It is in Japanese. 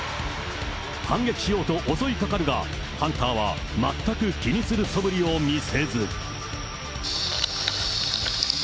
反撃しようと襲いかかるが、ハンターは全く気にするそぶりを見せず。